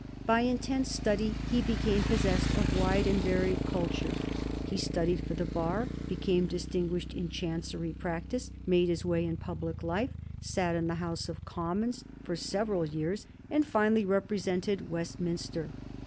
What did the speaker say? By intense study he became possessed of wide and varied culture. He studied for the bar, became distinguished in Chancery practice, made his way in public life, sat in the House of Commons for several years, and finally represented Westminster.